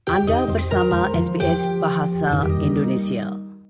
anda bersama sbs bahasa indonesia